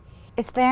có những gì không